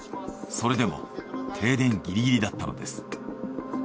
それでも停電ギリギリだったのです。